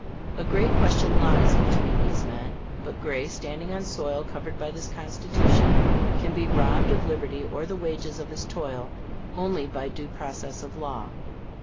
A great question lies between these men. But Gray, standing on soil covered by this Constitution, can be robbed of liberty, or the wages of his toil, only by due process of law.